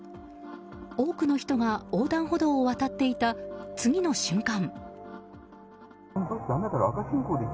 多くの人が横断歩道を渡っていた次の瞬間。